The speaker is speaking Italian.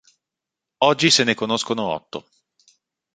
Oggi se ne conoscono otto.